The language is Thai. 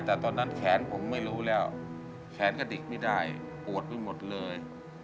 แต่ตอนนั้นแขนผมไม่รู้แล้วแขนกระดิกไม่ได้ปวดไปหมดเลย